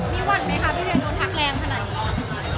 มีวันมั้ยค่ะที่เมื่อโครงการติดต่อมาเร็วผ่าน